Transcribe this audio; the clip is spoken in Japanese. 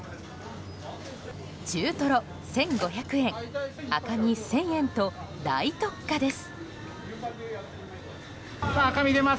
中トロ１５００円赤身１０００円と大特価です。